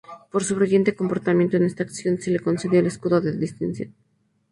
Por su brillante comportamiento en esta acción se le concedió el escudo de Distinción.